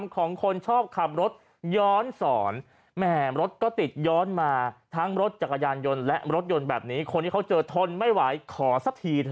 ของคนชอบขับรถย้อนสอนแหมรถก็ติดย้อนมาทั้งรถจักรยานยนต์และรถยนต์แบบนี้คนที่เขาเจอทนไม่ไหวขอสักทีเถ